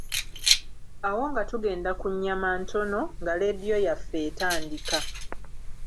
Awo nga tugenda ku nnyama ntono, nga leediyo yaffe etandika.